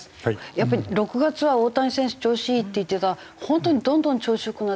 やっぱり６月は大谷選手調子いいって言ってたら本当にどんどん調子良くなって。